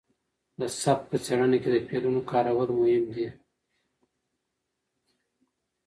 د سبک په څېړنه کې د فعلونو کارول مهم دي.